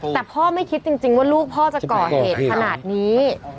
แต่พ่อไม่คิดจริงว่าลูกพ่อจะก่อเหตุขนาดนี้